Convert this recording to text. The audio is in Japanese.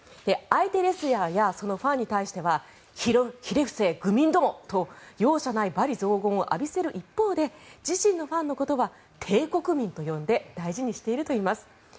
相手レスラーやそのファンに対してはひれ伏せ愚民どもっ！と容赦ない罵詈雑言を浴びせる一方で自身のファンのことは帝国民と呼んで大事にしているといいます。